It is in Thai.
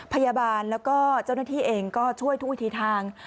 พยาบาลแล้วก็เจ้าหน้าที่เองก็ช่วยทุกวิธีทาง